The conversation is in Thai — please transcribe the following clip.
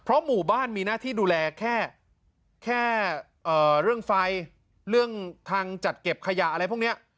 หมู่บ้านมีหน้าที่ดูแลแค่เรื่องไฟเรื่องทางจัดเก็บขยะอะไรพวกนี้